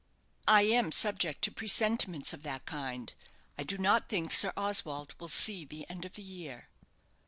"I am subject to presentiments of that kind. I do not think Sir Oswald will see the end of the year!"